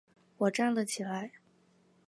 我站了起来